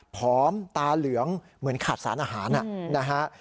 ผอมตาเหลืองเหมือนขาดสารอาหารนะฮะ